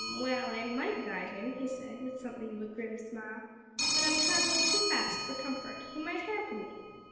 "H'm! well, I might guide him," he said, with something of a grim smile, "but I'm travelling too fast for comfort. He might hamper me.